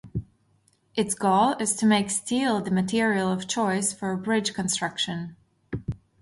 Its goal is to make steel the material of choice for bridge construction.